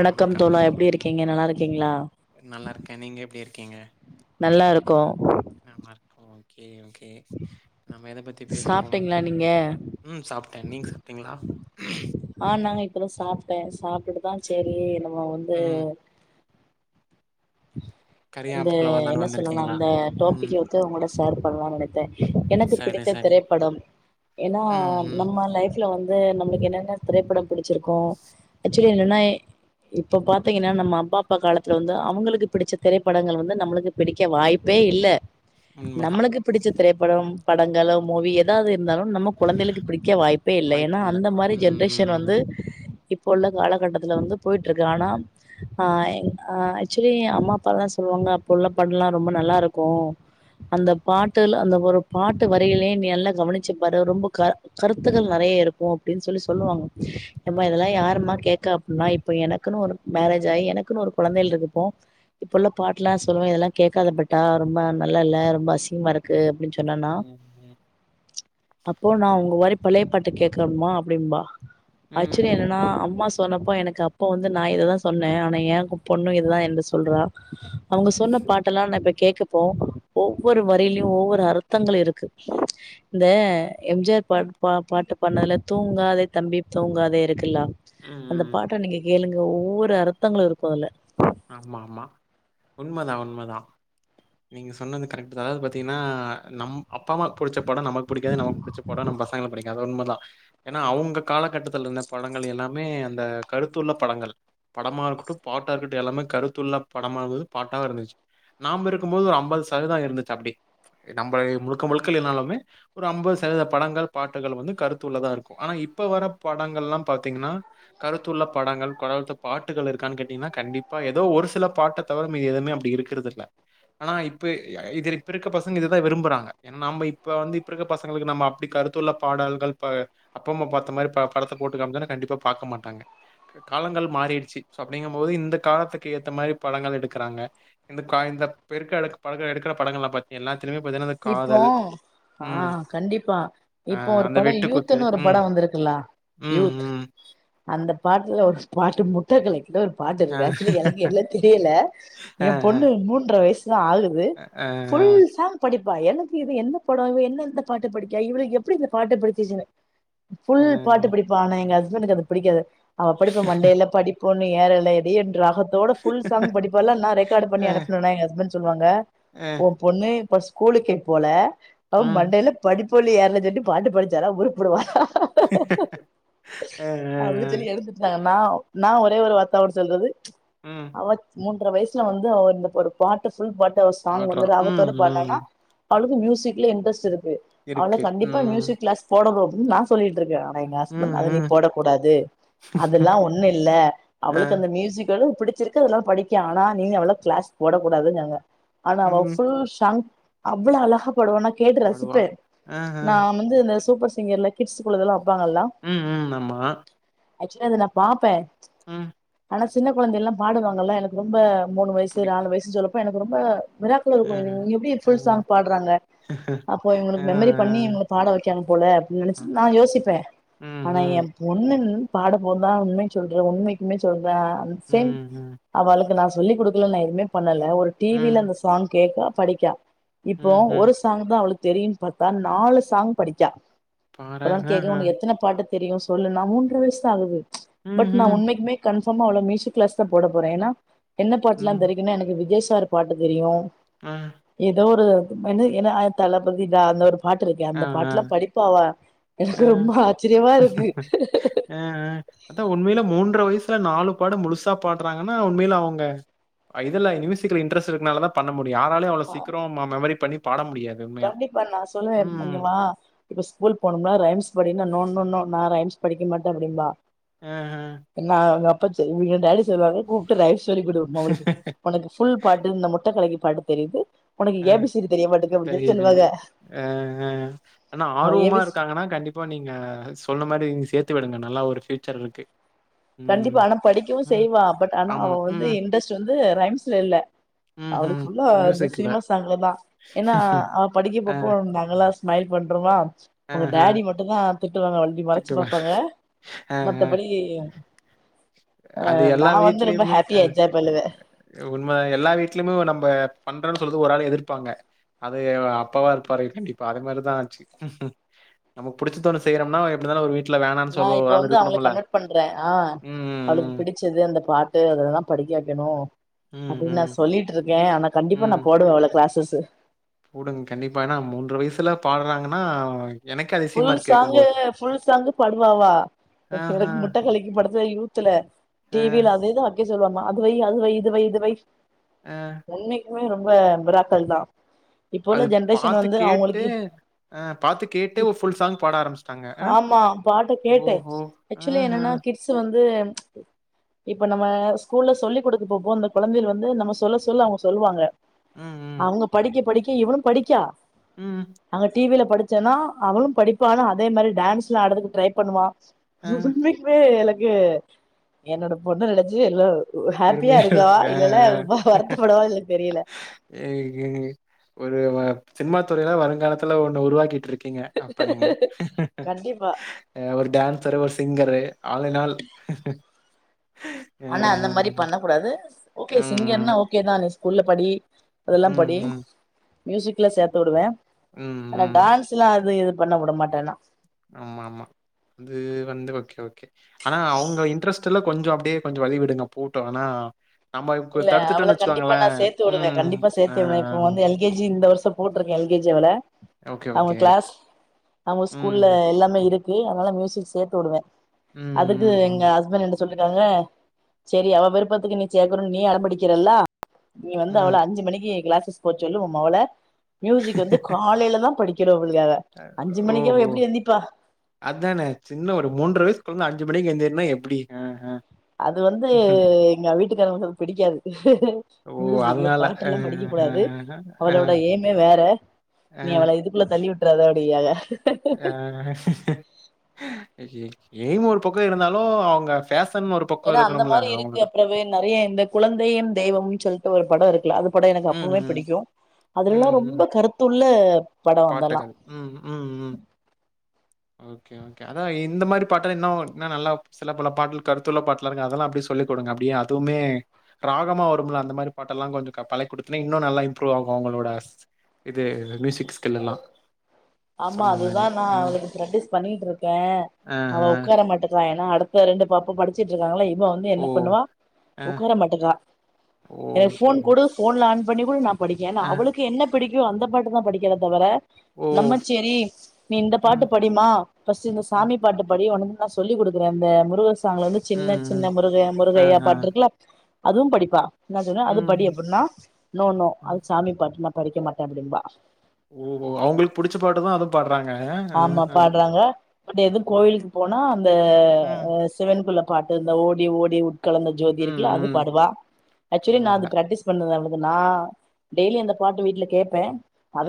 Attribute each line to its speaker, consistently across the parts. Speaker 1: அ
Speaker 2: தோழா எப்படி இருக்கீங்க
Speaker 1: வணக்கம்
Speaker 2: நல்லா இருக்கீங்களா
Speaker 1: நல்லா இருக்கே நீங்க எப்டி இருக்கீங்க
Speaker 2: நல்லா இருக்கோ
Speaker 1: ஏ ஓகே நம்ம எத பத்
Speaker 2: சாப்ட்டீங்ளா நீங்க
Speaker 1: சாப்ட்டே நீங் சாப்ட்டீங்ளா
Speaker 2: ஆ நாங்க இப்பதா சாப்டே சாப் டுட்டுதா சேரி நம்ம வந்து
Speaker 1: ம்
Speaker 2: அந்த
Speaker 1: கரியாப்புல வரலான்னு
Speaker 2: என்ன சொல்லனு
Speaker 1: வந்திருக்கீங்களா
Speaker 2: அந்த
Speaker 1: ம்
Speaker 2: டோப்பிகக வெச்சி உங்கள்ட்ட சேர் பண்லா நெனச்சே எனக்கு
Speaker 1: சரி
Speaker 2: பிடித்த
Speaker 1: சரி
Speaker 2: திரைப்படம் ஏன்னா
Speaker 1: ம் ம்
Speaker 2: நம்ம லைஃப்ல வந்து [unintelligible] நம்ளுக்கு என்னென்ன திரைப்படம் புடிச்சிருக்கோ என்னன்னா இப்ப பாத்தீங்கனா நம்ம அப்பாப்பா காலத்துல வந்து அவங்களுக்கு [unintelligible] பிடிச்ச திரைப்படங்கள் வந்து நம்மளுக்கு பிடிக்க வாய்ப்பே இல்ல
Speaker 1: உண்மதா
Speaker 2: நம்மளுக்கு பிடிச்ச திரைப் படொம் படங்களோ மூவி எதாது இருந்தாலு நம்ம குழந்தைளுக்கு பிடிக்க வாய்ப்பே இல்ல ஏனா
Speaker 1: வாய்ப்பில்ல
Speaker 2: அந்த மாரி
Speaker 1: ம்
Speaker 2: ஜென்ரேஷன்
Speaker 1: ம்
Speaker 2: வந்து ப்ப உள்ள காலகட்டத்துல வந்து போயிட்ருக்கு இருக்கு ஆனா ஆஹல் எங் அ சரி அம்மா அப்பாலா சொல்லுவாங்க அப்பவுள்ள படலா ரொம்ப நல்லா இருக்கு அந்த பாட்டுல அந்த ஒரு பாட்டு வரியிலே நீ நல்லா கவனிச்சு பாரு ரொம்ப கருத்துகள் நறைய இருக்கு அப்டின்னு சொல்லி சொல்லுவாங்க எம்மா
Speaker 1: ம்
Speaker 2: இதெல்லாம் யாருமா கேக்க நா இப்ப எனக்குனு ஒரு மேரேஜ் ஆயி எனக்குனு ஒரு குழந்தைகள் இருக்கு போ இப்பவுள்ள பாட்டு லா சொல்லுவ இதெல்லா கேட்காத பெட்டா ரொம்ப நல்லால்ல ரொம்ப அசிங்கமா இருக்கு அப்டினு சொல் என்னனா
Speaker 1: ம் ம் ம்
Speaker 2: அப்போ நா உங்க ஒரிப் பழை பாட்டு கேட்கன்மா அப்டிம்பா
Speaker 1: ம்
Speaker 2: ஆச்சுவலி என்னனா அம்மாஸ் சொன்னப்போ எனக்கு அப்ப வந்து நா இததான் சொன்ன ஆனா யா பொண்ணு [unintelligible] சொல்றா அவுங்க சொன்ன பாட்டு லா நா இப்ப கேக்கப்போ ஒவ்வொரு வரிலியு ஒவ்வொரு அர்தங்கள் இருக்கு இந்த எம்ஜிஆர் பாட் பா பாட்டு பண்ணல தூங்காதே தம்பி தூங்காதே இருக்குல்லா அந்த
Speaker 1: ம்
Speaker 2: பாட்ட நீங்க ஏளுங்க ஒவ்வொரு அர்த்தங்ளு இருக்கு அதுல
Speaker 1: ஆமா ஆமா உண்மதா உண்மதா நீங்க சொன்னது கரெக்ட் தா அதாவது பாத்தீங்கனா நம் அப்பா அம்மா புடிச்ச பட நமக் புடிக்காது நமக் புடிச்ச பட நம் பசங்ள புடி அத உண்மதா எனா அவுங்க காலகட்டதுலா இன்ன படங்கள் எல்லாமே அந்த கடுத்துள்ள படங்கள் படமா இருக்குட்டு பாட்டா இர்க்கட் எல்லாமே கருத்துள்ள படமாவு பாட்டாவு இருந்துச்சு நாம்ப இருக்குபோது அம்பது சதவீதம் இருந்துச்சு அப்டி. நம்ப முழுக்க முழுக்க இல்லைனாலுமே ஒரு அம்பது சதவீத படங்கள் பாட்டுகள் வந்து கருத்துள்ளதா இருக்கு. ஆனா இப்ப வர படங்களாம் பாத்திங்கனா கருத்துள்ள படங்கள் பாட்டுகள் இருக்கானு கேட்டாங்கனா கண்டிப்ப இப்ப ஏதோ ஒருசில பாட்ட தவர மீதி எதுமே அப்டி இருக்கறதில்ல. ஆனா இப்ப யா இது இப்ப இருக்க பசங்க இத தா விரும்புறாங்க ஏனா நம்ம இப்ப வந்து இப்ப இருக்க பசங்களுக்கு நம்ம அப்டி கருத்துள்ள பாடல்கள் ப அப்பா அம்மா பார்த்த மாரி பா படத்த போட்டுக் காமிச்சம்னா கண்டிப்பா பார்க்க மாட்டாங்க காலங்கள் மாரிடிச்சு அப்டிங்கும்போது இந்த காலத்துக்கு ஏத்த மாரி படங்கள் எடுக்குறாங்க இந்த கா இந்த [unintelligible] படங்கள் பாத்திங்கனா
Speaker 2: இப்போ
Speaker 1: ம்,
Speaker 2: ஆஹ் கண்டிப்பா
Speaker 1: அ
Speaker 2: இப்போ ஒரு
Speaker 1: அந்த
Speaker 2: படம்
Speaker 1: வெட்டுக்குத்து,
Speaker 2: யூத்ன்னு ஒரு
Speaker 1: ம்,
Speaker 2: படம் வந்துருக்குல்லா
Speaker 1: ம்,
Speaker 2: யூத்
Speaker 1: ம்,
Speaker 2: அந்தப் பாட்டுல ஒரு [unintelligible] பாட்டு
Speaker 1: அ,
Speaker 2: இருக்கு ஆக்சுவலி எனக்கு எல்லா தெரியல
Speaker 1: அ,
Speaker 2: என் பொண்ணு மூன்றரை வயசு த ஆலுவு
Speaker 1: அ, அ, அ,
Speaker 2: ஃபுல் சாங் கண்டிப்பா எனக்கு இது என்ன படம் இவ என்ன இந்த பாட்டு படிக்கா இவளுக்கு எப்டி இந்த பாட்டு படிச்சிச்சினு
Speaker 1: அ, அ, அ,
Speaker 2: ஃபுல் பாட்டு
Speaker 1: ம்,
Speaker 2: படிப்பா அன எங்க அஸ் இவனுக்கு அது பிடிக்காது அவ படிப்பு மண்டேல்ல படிப்போ. [unintelligible] என்று ராகத் தோட ஃபுல் சாங் படிப்பால்ல நா ரெக்கார்ட் பண்ணி அனுப்புனேனா எங்க ஹஸ்பண்ட் சொல்வாங்க ஒம் பொண்ணு ஃபர்ஸ் கூலுக்கே போல. அவ மண்டையில படிப் புள்ளியரல சொல்லிட்டு பாட்டு படிச்சலா உருபுடுவா.
Speaker 1: ஆ ஆ ஆ
Speaker 2: நாவ் நா ஒரே ஒரு வார்த்த அவட் சொல்றது.
Speaker 1: ம்,
Speaker 2: அவ [unintelligible] எட்ர வயசுல வந்து அவ வந்து ஒரு பாட்டு ஃபுல் பாட்டு சாங் வந்து
Speaker 1: பாடுறான். ம்,
Speaker 2: ராகதோட பாட்னான்னா.
Speaker 1: ம்.
Speaker 2: அவளுக்கு மியூசிகல இன்ரெஸ்ட் இருக் கு ஆனா
Speaker 1: இருக்கு
Speaker 2: கண்டிப்பா
Speaker 1: ம்
Speaker 2: மியூசிக் கிளாஸ் போடனும். ன் நா சொல்லி ட்டு இருக்க ஆனா எங்க ஹஸ்பண்ட்
Speaker 1: ம்
Speaker 2: அத நீ
Speaker 1: ம்
Speaker 2: போடக்கூடாது அதெல்லா ஒண்ணு இல்ல
Speaker 1: அ
Speaker 2: அவளுக்கு அந்த மியூசிக்கல் பிடிச்சிருக்கு அதனாலா படிக்யா ஆனா நீ அவ்வள கிளாஸ் போடக்கூடாதுன்னாங்க. ஆனா அவ
Speaker 1: ம்
Speaker 2: ஃபுல் ஷாங்க் அவ்வளோ அழகா. போடுசா நா கேட்டு
Speaker 1: பாடுவா
Speaker 2: ரசிப்பே
Speaker 1: அ அ
Speaker 2: நா வந்து இந்த சூப்பர் சிங்கெர்ல கிட்ஸ்குள்ளதெலா
Speaker 1: ம் ம் ஆமா
Speaker 2: ஆக்சுவலா இது நா பாப்பே
Speaker 1: ம்
Speaker 2: ஆனா சின்ன குழந்தை எல்லாம் பாடுவாங்கல்ல எனக்கு ரொம்ப மூணு வயசு
Speaker 1: புடி
Speaker 2: நாலு வயசு சொல்லப் ப எனக்கு ரொம்ப மிராக்ல
Speaker 1: அ
Speaker 2: இருக்கும் இதுங் எப்டி இருக்
Speaker 1: அ
Speaker 2: ஃபுல் சாங் பாடுறாங்க அப்ப
Speaker 1: அ
Speaker 2: இவனுக்கு மெமரி பண்ணி இவங்கள பாட வைக்காங்க போல அப்டி
Speaker 1: அ
Speaker 2: நெனைச்சி நா யோசிப்ப
Speaker 1: ம்
Speaker 2: ஆனா
Speaker 1: ம்
Speaker 2: யேன் பொண்ணு ன் பாட போது தா உண்மை சொல்றே உண்மைக்குமே சொல் [unintelligible]
Speaker 1: ம் ம்
Speaker 2: அவளுக்கு நா சொல்லி கொடுக்கல நா எதுமே பண் ணல ஒரு டிவியில அந்த
Speaker 1: ம்
Speaker 2: சாங் கேட்டா படிக்கா. இப்போ
Speaker 1: ம்ஹ்ம்
Speaker 2: ஒரு சாங்தா அவளுக் தெரியின்னு பாத்தா நாலு சாங் படிச்சா.
Speaker 1: பாறே
Speaker 2: அப்புறோ
Speaker 1: அ
Speaker 2: கேக்கணுன்னு
Speaker 1: அ
Speaker 2: உனக்கு எத்தன பாட்டுத் தெரியு சொல்லுண்ணா மூன்ற வயசுதா ஆகுது.
Speaker 1: ம்
Speaker 2: பட் நா
Speaker 1: ம்
Speaker 2: உண்மைக்கு மே கன் பொமொ அவள மியூசிக் கிளாஸ் தா போட போறே ஏன்னா என்ன பாட்லா தெரிகணு எனக்கு விஜேஷ் [unintelligible] பாட்டு தெரியு.
Speaker 1: ம்.
Speaker 2: ஏதோ ஒரு என்ன ஏன்னா தளபதிடா அந்த ஒரு பாட்டு இருக்கே
Speaker 1: அ அ
Speaker 2: அந்த பாட்டுல்லா படிப்பாவ
Speaker 1: அ, அ அ, அதா உண்மையில மூன்ற வயசு த்துல நாலு பாட முழுசா பாடுறாங்கன்னா உண்மையில அவங்க. அ இதுலா மியூசிக்ல இன்ட்ரஸ்ட் இருக்கனால தா பண்ணமு யாராலேயு அவ்ளோ சீக்கிரோ மெமரி பண்ணி பாடம்.
Speaker 2: கண்டிப்பா நானசொல்லுவே [inaudible] இங்க வா இப்போ ஸ்கூல் போனும்லா ரைம்ஸ். அப்படினா நெ நெ நா ரைம்ஸ் படிக்க மாட்டே அப்படிம்பா.
Speaker 1: அ அ.
Speaker 2: ப்ப [unintelligible] டாடி சொல்லுவாங்க கூப்டு ரைம்ஸ். சொல்லிக்குடு மவளுக்கு உனக்கு ஃபுல் பாட்டு இந்த முட்ட கலகி. பாட தெரியிது. உனக்கு ஏபிசிடி தெரிய மாட்டது அப்படி சொல்லி.
Speaker 1: இது
Speaker 2: சொல்லுவாங்க
Speaker 1: அஅ ஆனா
Speaker 2: அவ ஏ
Speaker 1: ஆர்வமா
Speaker 2: பி சி
Speaker 1: இருக்காங்கன்னா கண்டிப்பா நீங்க சொன்ன மாரி. சேர்த்து விடுங்க நல்லா ஒரு பியூச்சர் இருக்கு ம்,
Speaker 2: கண்டிப்பா ஆனா படிக்கவு
Speaker 1: ம்,
Speaker 2: செய்வா பட் ஆனா
Speaker 1: ஆமா.
Speaker 2: அவ வந்து
Speaker 1: ம்,
Speaker 2: இன்ட்ரெஸ்ட் வந்து. து ரைம்ஸ்ல இல்ல
Speaker 1: ம்ஹ்ம்.
Speaker 2: அவலுக் புல்லா இந்த
Speaker 1: மியூசிக்ல.
Speaker 2: சினிமா சாங்லதா ஏன்னா அவ படிக்க
Speaker 1: அ,
Speaker 2: போப்போந் நாங்களா ஸ்மைல் பண்றமா உங்க
Speaker 1: ஆஹ.
Speaker 2: டேடி மட்டு தா திட்டுவாங்க வண்டி மறைச்சு
Speaker 1: திட்டுவா.
Speaker 2: பாப்பாங்க
Speaker 1: அ, அ.
Speaker 2: மத்தபடி
Speaker 1: அது எல்லா
Speaker 2: நா வந்து ரொம்ப
Speaker 1: வீடலயுமே அ
Speaker 2: ஹாப்பியா என்ஜாய் பண்ணுவே
Speaker 1: உண்மதா எல்லா வீட்லமு நம்ப பண்றேன்னு சொல்லறது ஒரு ஆள் எதிர்பாங்க அது அப்பாவா இருப்பாரு கண்டிப்பா அதே மாரிதா ஆச்சு நமக்கு பிடிச்சது ஓண்ணு செய்யறோம்னா எப்படினாலும் ஒரு வீட்டு
Speaker 2: நா இப்ப வந்து அவங்கள கன்வெர்ட் பண்றே ஆஹ்
Speaker 1: ம்,
Speaker 2: அவளுக்கு
Speaker 1: ம்,
Speaker 2: பிடிச்சது அந்த பாட்டு அதுலா படிக்கவைக்கணு
Speaker 1: ம்,
Speaker 2: அப்டின்னு நா
Speaker 1: ம்,
Speaker 2: சொல்லிட்டு இருக் கே ஆனா கண்டிப்பா நா போடுவ அவள க்ளாசஸ் அ
Speaker 1: போடுங்க கண்டிப்பா ஏனா மூன்ற வயசுல பாடுறாங்கன்னா எனக்கே
Speaker 2: ஃபுல்
Speaker 1: அதிசயமா இருக்கு
Speaker 2: சாங்கு
Speaker 1: கேட்கும்போது.
Speaker 2: ஃபுல் சாங்கு பாடுவா அவா
Speaker 1: ஆஹ,
Speaker 2: எனக்கு முட்ட கலக்கி படத்துலே யூத்துல
Speaker 1: அ,
Speaker 2: டி வி-ல அதேதா அ சொல்லுவாம அதுவை அதுவை இதுவை இதுவை
Speaker 1: ஆஹ்
Speaker 2: [unintelligible] ரொம்ப மிராக்கள் தா இப்போ உள்ள
Speaker 1: அது
Speaker 2: ஜென்ரேஷன்
Speaker 1: பாத்து
Speaker 2: வந்து
Speaker 1: கேட்டு
Speaker 2: அவங்களுக்கு
Speaker 1: அஹ் பாத் கேட் ட்டு ஃபுல் சாங் பாட ஆரம்பிச்ட்டாங்க அ
Speaker 2: ஆமா பாட்ட
Speaker 1: ஓஹோ ம்ம்
Speaker 2: ந்து இப்ப நம்ம ஸ்கூல்ல சொல்லி கொடுத்து பாப்போ அந்த கொழந்தைகள் வந்து நம்ம சொல்ல சொல்ல அவங்க சொல்வாங்க
Speaker 1: ம், ம்,
Speaker 2: அவங்க படிக்க படிக் இவனும் படிக்கா
Speaker 1: ம்,
Speaker 2: அவ்ங்க டி வி-ல படுத் ஜனா அவளும் படிப்பா ஆனா அதே மாரி டேன்ஸ் ல்லா ஆட்றதுக்கு ட்ரை பண்ணுவா.
Speaker 1: அ.
Speaker 2: ஜூஜூபிக் வ்வேல க்கு என்னோட பொண்ணு நெனச்சு எல்லோ
Speaker 1: பெருமையா இருக்கு ஆஹ் ஆஹ்.
Speaker 2: வருத்தப்படுவான்னு எனக்கு தெரியல
Speaker 1: [unintelligible] ஒரு [unintelligible] சின்மா துறயில வருங்காலத்துல ஒன்னு உருவாக்கிட்டு இருக் கிங்க அப்ப நீங்க.
Speaker 2: கண்டிப்பா
Speaker 1: அ ஒரு டான்சரு ஒரு சிங்கரு ஆல் இன் ஆல். அ, அ.
Speaker 2: ஆனா அந்த மாரி ப் பண்ணக்கூடாது ஓகே சிங்கர்ன்னா
Speaker 1: ம்,
Speaker 2: ஓகே தா நிஷ் குள்ள படி
Speaker 1: ம்,
Speaker 2: அதெல்லாம் படி
Speaker 1: ம்,
Speaker 2: மியூசிக்ல சேத்து வுடுவேன்.
Speaker 1: ம்,
Speaker 2: ஆனா
Speaker 1: ம்.
Speaker 2: டான்ஸ் ல்லா அது இது பண்ண வுடமாட்டேன் நா.
Speaker 1: ஆமா ஆமா. அது வந்து கொஞ்சோ அப்டியே கொஞ்சோ வழி விடுங்க போட்டும். ஆனா நம்ம கு
Speaker 2: இல்ல அவள
Speaker 1: தடுத்துட்டோம்னு
Speaker 2: கண்டிப்பா நா
Speaker 1: வச்சுக்கோங்களேன்.
Speaker 2: சேத்து வுடுவேன்.
Speaker 1: ம்.
Speaker 2: கண்டிப்பா
Speaker 1: ஆ
Speaker 2: சேத்துருவே. இப்ப வந்து எல் கே ஜி இந்த வருஷம் போட்டிருக்கே எல் கே ஜி அவள.
Speaker 1: ஓகே,
Speaker 2: அவங்க
Speaker 1: ஓகே.
Speaker 2: க்ளாஸ், அவங்க
Speaker 1: ம்.
Speaker 2: ஸ்கூல்ல எல்லாமே இருக் கு அதனால மியூசிக் சேத்து விடுவே
Speaker 1: ம்,
Speaker 2: அதுக்கு எங்க
Speaker 1: ம்,
Speaker 2: ஹஸ்பண்ட் என்ன சொல்லிருக்காங்க சேரி அவ விருப்பத்துக்கு நீ சே றகு நீ அடம்பிடிக்கிறல்லா. நீங்க வந்து அவள
Speaker 1: ம்.
Speaker 2: அஞ்சு மணிக்கு எ கிளாஸ்க் [unintelligible] சொல்லு உ மவள மியூசிக் வந்து காலையில தா படி
Speaker 1: ஓஹோ
Speaker 2: எந்திப்பா
Speaker 1: அதானே சின்ன ஒரு மூன்ற வயசு கொழந்த அஞ்சு மணிக்கு எந்தி என்ன எப்டி ஆ ஹ,
Speaker 2: அது வந்து எங்க வீட்டுக்காரவங்க பிடிக்காது
Speaker 1: ஓ!
Speaker 2: மியூசிகக்கு
Speaker 1: அதனால.
Speaker 2: பாட்டு
Speaker 1: அ,
Speaker 2: எல்லா படிக்கக்க கூடாது
Speaker 1: அ, அ,
Speaker 2: அவளோட ஏய்மே வேற
Speaker 1: அ,
Speaker 2: நீ அவள இதுக்குள்ள தள்ளி விட் [unintelligible]
Speaker 1: ஏ ஐ எய்ம் ஒரு பக்கம் இருந்தாலு அவங்க ஃபேஷ
Speaker 2: ஏன்னா அந்த மாதிரி இருக்கு அப்பறவே நெறைய இந்த குழந்தையு தெய்வமு சொல்லிட்டு ஒரு படோ இரு லாது படோ எனக்கு
Speaker 1: ம்,
Speaker 2: அப்பவுமே
Speaker 1: ம்.
Speaker 2: பிடிக்கு அதுலல்லா
Speaker 1: ம், ம்.
Speaker 2: ரொம்ப கருத்துள்ள படோ அதெல்லா
Speaker 1: பாட்டுகள் உம் உம் உம், ஓகே ஓகே அதா இந்த மாரி பாட்டல இன்னு நல்லா சில பல பாட்டு கருத்துள்ள பாட்டுலா இருங்க அதெல்லா அப்டியே சொல்லிக் கொடுங்க அப்டியே அதுமே ராகமா வருமுல அந்த மாரி பாட்டலா கொஞ்சோ பழக் குடுத்தின்னா இன்னு நல்லா இம்ப்ரூவ் ஆகு அவங்களோட இது மியூசிக்ஸ். ல்லலா
Speaker 2: ஆமா அதுதா நா அவளுக்கு பிராக்டிஸ் பண்ணிட்டு இருக்கே அவ
Speaker 1: ஆஹ.
Speaker 2: உக்கார மாட்டிரா என் அ அடுத்த ரெண்டு பப்பு படிச்சிட்டு இருக்காங்களா இதுத இவொ வந்து
Speaker 1: ஓ!
Speaker 2: என்ன பண்ணுவா
Speaker 1: அ.
Speaker 2: உக்கார மாட்டேங்கா
Speaker 1: ஓ!
Speaker 2: எனக்கு ஃபோன்
Speaker 1: சரிங்க.
Speaker 2: குடு ஃபோன்ல ஆ [unintelligible] புடிக்கு ஏனா
Speaker 1: அ.
Speaker 2: அவளுக்கு என்ன பிடிக் அந்த பாட்டு தா படிக்கிற தவிர
Speaker 1: ஓ!
Speaker 2: நம்மச் சேரி நீ இந்த
Speaker 1: ம்,
Speaker 2: பாட்டு படிமா ஃபஸ்ட் இந்த
Speaker 1: ம்,
Speaker 2: சாமி பாட்டே படி உனக் நா சொல்லி குடுக்கறே இந்த முருக [unintelligible] வந்து
Speaker 1: ம்,
Speaker 2: சின்ன
Speaker 1: ம்.
Speaker 2: சின்ன முருகை-முருகையா
Speaker 1: ஆஹ.
Speaker 2: பாட்டிருக்கல அதுவு படிப்பா என்ன சொன்னே அது
Speaker 1: ம்,
Speaker 2: படி
Speaker 1: ம்,
Speaker 2: அப்பிடின்னா நோ நோ அது
Speaker 1: ம்.
Speaker 2: சாமி பாட்டுதா, படிக்க மாட்டே அப்டிம்பா,
Speaker 1: ஓகோ அவங்களுக் புடுச்ச பாட்டதா அதுவு பாட்றாங்க
Speaker 2: ஆமா
Speaker 1: அஹ் அ
Speaker 2: பாடுறாங்க பட் எதுவு கோவிலுக்கு போனா அந்த
Speaker 1: ம்,
Speaker 2: ஆ சிவன் குளம். பாட்டு இந்த ஓடி ஓடி உ கலந்த ஜோதி
Speaker 1: ம்,
Speaker 2: இருக்குல அது
Speaker 1: ம்.
Speaker 2: பாடுவா. ஆக்சுவலி நா அது
Speaker 1: பரவால்ல.
Speaker 2: பிராக்டிஸ் பண்ணுவ அவளுக் அ நா டெய்லி அந்த பாட்டு வீட்டுல கேப்பே.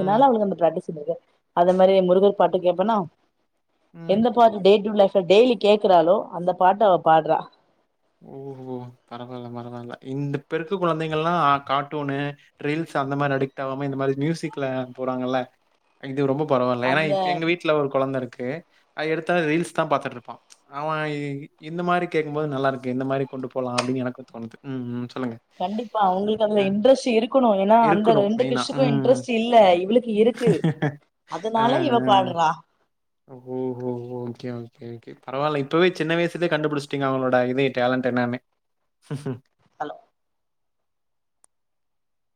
Speaker 1: ம்,
Speaker 2: அவுளுங்க அந்த பிராக்டிஸ் [unintelligible] அது மாதிரி முருகர் பாட்டு கேட்பேனா.
Speaker 1: ம்.
Speaker 2: எந்த பாட்டு டே ட்டு லைஃ டெய்லி கேக்குறாலோ அந்த பாட்ட அவ பாடுறா.
Speaker 1: ஓஹோ பரவால பரவால இந்த இப்பெருக்க கொழந்தைங்கல்லா கார்ட்டூனு ரீல்ஸு அந்த மாரி அடிக்ட் ஆகாம இந்த மாரி மியூசிக்ல போறாங்கல்ல இது ரொம்போ பரவால ஏன்னா
Speaker 2: அந்த
Speaker 1: இப்ப எங்க வீட்ல ஒரு கொழந்த இருக். ஓகே எடுத்தா ரீல்ஸ் தா பாத்துட்ருப்பா அவ இந்த மாரி கேக்கும்போது நல்லா இருக் கே எந்த மாரி கொண்டு போலா அப்டினு எனக்கோ தோனுது ம் ம். சொல்லுங்க.
Speaker 2: கண்டிப்பா உங்களுக்கு அதுல
Speaker 1: ஆ
Speaker 2: இன்ட்ரெஸ்ட் இருக்கணோ ஏன்னா அந்த
Speaker 1: இருக்கணும்
Speaker 2: ரெண்டு
Speaker 1: மெயினா.
Speaker 2: கிஷுக்கோ
Speaker 1: ம்.
Speaker 2: இன்ட்ரெஸ்ட் இல்ல இவளுக்கு இருக்கு
Speaker 1: ஆ,
Speaker 2: அதனால
Speaker 1: ஆ.
Speaker 2: இவ பாட்றா.
Speaker 1: ஓஹோ! Okay, okay, okay. பரவால்ல. இப்பவே சின்னவயசதே கண்ணுடுப்பீடுச்சுடெங்க அவுங்களோட ஐமீன் டேலண்ட் என்னனு ஹும் ஹும்.
Speaker 2: ஹலோ.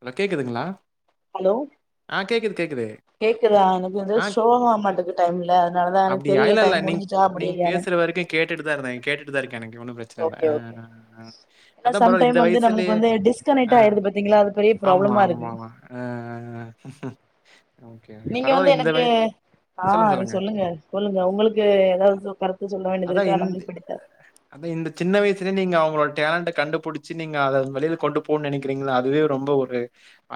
Speaker 1: அலோ கேக்குதுங்களா.
Speaker 2: ஹலோ.
Speaker 1: ஆ கேக்கிது கேக்
Speaker 2: கேக்குதா எனக்கு வந்து சோக ஆ மாட்டக்கு டைம் இல்ல அதனாலதா எனக்கு
Speaker 1: அப்படியா?
Speaker 2: தெரில
Speaker 1: இல்ல, இல்ல.
Speaker 2: டைம்
Speaker 1: நீங்க
Speaker 2: முடிஞ்சுச்சா
Speaker 1: நீங்க
Speaker 2: முடியலையா.
Speaker 1: பேசுற வரைக்கும் அ, அ, அ, அதா பரவாயில் இந்த
Speaker 2: சம்டைம் வந்து நம்மளுக்கு
Speaker 1: வயசுலயே
Speaker 2: வந்து
Speaker 1: அ
Speaker 2: டிஸ்கனெக்ட் ஆயிடுது பாத்தீங்களா அது பெரிய
Speaker 1: ஆம்மா
Speaker 2: ப்ராப்ளமா இருக்கு
Speaker 1: ஆம்மா அ, அ, அ
Speaker 2: நீங்க வந்து எனக்கு ஆ நீ சொல்லுங்க சொல்லுங்க உங்களுக்கு ஏதாவது கருத்து சொல்ல வேண்டியது
Speaker 1: அதான்
Speaker 2: இருக்கா நா மீட் பண்ணி தரே
Speaker 1: வயசுல நீங்க அவுங்களோட டேலண்ட கண்டுபிடிச்சு நீங்க அத வெளில கொண்டு போன்னு நெனக்கிறீங்கள அதுவே ரொம்ப ஒரு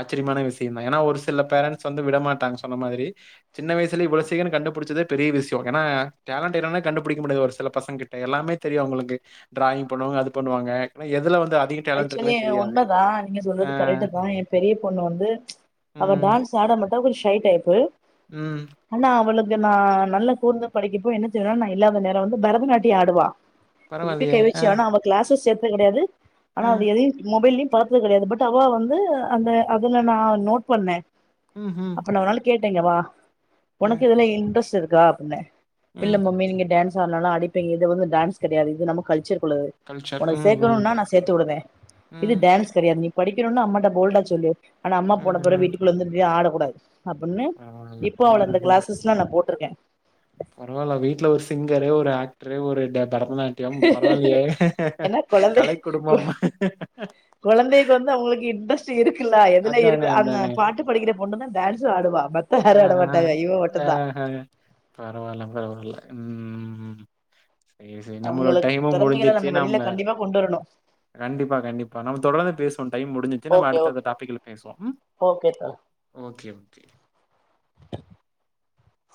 Speaker 1: ஆச்சரியமான விஷயம்தா. ஏன்னா ஒரு சில பேரண்ட்ஸ் வந்து விடமாட்டாங்க சொன்ன மாதிரி சின்ன வயசுலே இவ்ளோ சீக்ரோ கண்டுபுடிச்சதே பெரிய விஷோ ஏனா டேலண்ட் ஏன்னா கண்டுபுடிக்க முடியாது ஒரு சில பசங்ககிட்ட எல்லாமே தெரியு அவுங்களுக்கு டிராயிங் பண்ணுவாங்க அது பண்ணுவாங்கஆன எதுல வந்து அதிக டேலண்ட்
Speaker 2: ஆக்சுவலி
Speaker 1: இருக்குன்னே
Speaker 2: என
Speaker 1: தெரியாது.
Speaker 2: உண்மைதா நீங்க
Speaker 1: ஆ,
Speaker 2: சொல்றது கரெக்ட்டுதா எ பெரிய பொண்ணு வந்து அவ
Speaker 1: ம்,
Speaker 2: டான்ஸ் ஆட மட்டு அவ ஒரு ஷை் டைப்பு.
Speaker 1: ம்.
Speaker 2: ஆனா அவுளுக் இங்க நா நல்ல கூர்ந்து படிக்கப்போ என்ன செய்றா நான் இல்லாத நேரோ வந்து பரதநாட்டியோ ஆடுவா. எப்டி
Speaker 1: பரவாயில்லையே!
Speaker 2: கை
Speaker 1: ஆ,
Speaker 2: வெச்சி ஆனோ அவ கிளாஸஸ் சேர்த் கிடையாது. ஆனா
Speaker 1: ஆ,
Speaker 2: வந்து எதையு மொபைல்லியு பாத்தது கெடையாது பட் அவ வந்து அந்த அதுல நா நோட் பண்ணே.
Speaker 1: ம்ஹும்.
Speaker 2: [unintelligible] இங்க வா. உனக்கு இதுல இன்ட்ரெஸ்ட் இருக் காப்புன்னே இல்ல
Speaker 1: ம்.
Speaker 2: மம்மி நீங்க டேன் சா நல்லா அடிப்பீங்க இது வந்து டேன்ஸ் கெடையாது நம்ம கல்ச்சர் ஹலோ
Speaker 1: கல்ச்சர்.
Speaker 2: உனக்
Speaker 1: ம், ம்,
Speaker 2: சேக்கணுனா நா சேத்து உடுங்க இது
Speaker 1: ம்.
Speaker 2: டேன்ஸ் கெடை நீ படிக்கணுன்னு நீ அம்மாட்ட போல்டா சொல்லு ஆனா அம்மா போன புறவு
Speaker 1: ம்ஹ்ம்.
Speaker 2: வீட்டுக்குள்ள வந்து இப்டியே ஆடும் [unintelligible] அப்புன்னு
Speaker 1: பரவால்ல.
Speaker 2: இப்போ அவள அந்த
Speaker 1: ம்ஹ்ம்.
Speaker 2: கிளாஸ்லா நா போ ட்ருக்கே
Speaker 1: பரவால்ல வீட்ல ஒரு சிங்கரு ஒரு ஆக்ட்ரு ஒரு ட பரதநாட்டியம் பரவால்லியே
Speaker 2: ஏன்னா கொழந்தை
Speaker 1: கலை குடும்பம் மா
Speaker 2: து இருக்குல்ல எதுல இருக்கு அங்க பாட்டு படிக்கிற பொண்ணு தா டேன்ஸு ஆடுவா ப
Speaker 1: ஆஹ ஆஹ பரவால்ல பரவால்ல ம் சேரி சேரி நம்மளோட
Speaker 2: அவங்களுக்கு
Speaker 1: டைமு
Speaker 2: திறமைகள
Speaker 1: முடிஞ்சிச்சு
Speaker 2: வெளியில
Speaker 1: நம்ம
Speaker 2: கண்டிப்பா கொண்டு வரணு
Speaker 1: கண்டிப்பா கண்டிப்பா நம்ம தொடர்ந்து பேசுவோ டைம் முடிஞ்சிச்சு நம்ம
Speaker 2: ஓகே ஓகே
Speaker 1: அடுத்த டாபிக்ல பேசுவோ ம்
Speaker 2: ஓகே தோழா
Speaker 1: ஓகே [unintelligible]